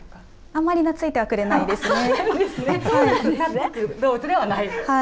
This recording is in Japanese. あまりなついてはくれないですね。